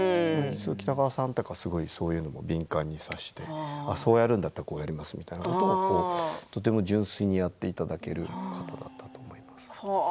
北川さんはそういうのを敏感に察してそうやるんだったらこうやりますという、とても純粋にやっていただける方だったと思います。